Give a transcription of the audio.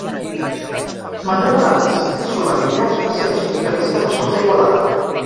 Manuel Archs i Solanelles va ser un sindicalista nascut a Igualada.